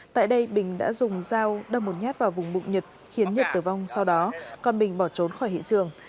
tại đây bình đã dùng dao đâm một nhát vào vùng bụng nhật khiến nhật tử vong sau đó còn bình bỏ trốn khỏi hiện trường